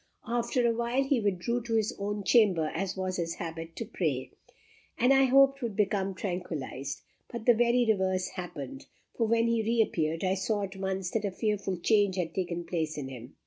After awhile, he withdrew to his own chamber, as was his habit, to pray, and I hoped would become tranquillized; but the very reverse happened, for when he reappeared, I saw at once that a fearful change had taken place in him.